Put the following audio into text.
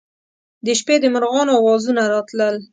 د شپې د مرغانو اوازونه راتلل.